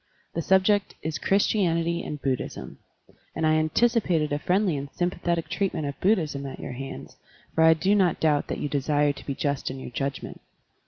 The subject is "Christianity and Buddhism," and I anticipated a friendly and sympathetic treatment of Bud dhism at your hands, for I do not doubt that you desire to be just in your judgment.